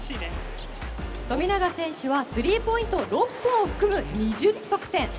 富永選手はスリーポイント６本を含む２０得点。